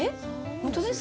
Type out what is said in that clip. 本当ですか？